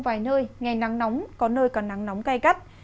vài nơi ngày nắng nóng có nơi có nắng nóng cay cắt